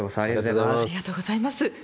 ありがとうございます。